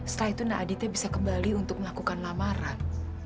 setelah itu na aditya bisa kembali untuk melakukan lamaran